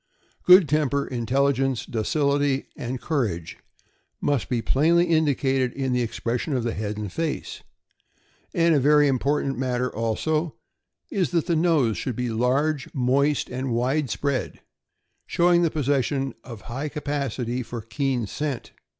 Good temper, intelligence, docility, and courage must be plainly indicated in the expression of the head and face; and a very important matter, also, is that the nose should be large, moist, and wide spread, showing the possession of high capacity for keen scent.